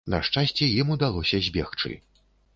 На шчасце, ім удалося збегчы.